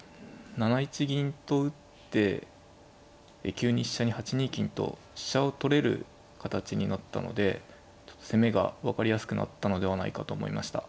７一銀と打って９二飛車に８二金と飛車を取れる形になったのでちょっと攻めが分かりやすくなったのではないかと思いました。